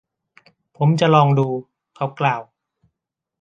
ผมจะลองดู เขากล่าว